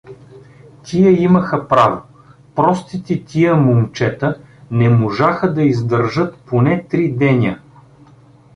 Тия имаха право, простите тия момчета не можаха да издържат поне три деня.